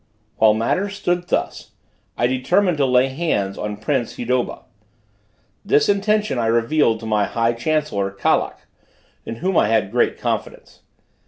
While matters stood thus, I determined to lay hands on prince Hidoba. This intention I revealed to my high chancellor, Kalak, in whom I had great confidence.